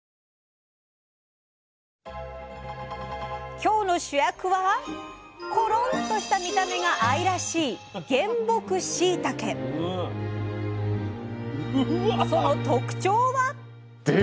今日の主役はころんとした見た目が愛らしいその特徴は。